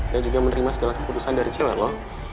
dan juga menerima segala keputusan dari cewek lo